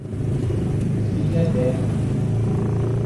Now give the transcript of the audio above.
Filha dela